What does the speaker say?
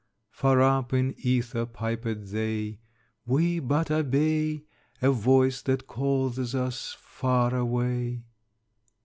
Far up in ether piped they, 'We but obey A voice that calleth us far away.'"